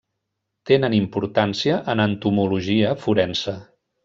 Tenen importància en entomologia forense.